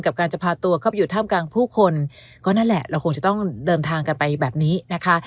กับการจะพาตัวเข้าไปอยู่ท่ามกลางผู้คนก็นั่นแหละเราคงจะต้องเดินทางกันไปแบบนี้นะคะ